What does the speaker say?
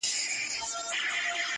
پیل لېوه ته په خندا سو ویل وروره.!